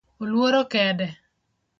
Oluoro kede